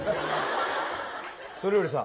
それよりさ